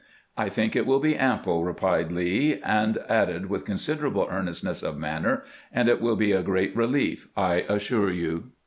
" "I think it wiU be ample," remarked Lee, and added with considerable earnestness of manner, " and it wUl be a great relief, I assure you."